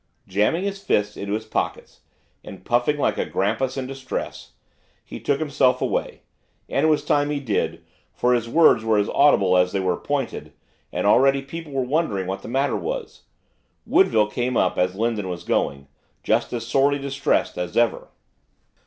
Jamming his fists into his pockets, and puffing like a grampus in distress, he took himself away, and it was time he did, for his words were as audible as they were pointed, and already people were wondering what the matter was. Woodville came up as Lindon was going, just as sorely distressed as ever.